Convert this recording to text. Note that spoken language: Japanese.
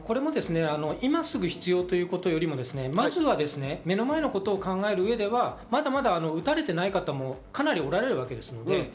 今すぐ必要ということよりも、まずは目の前のことを考える上では、まだまだ打たれていない方もかなりおられるわけです。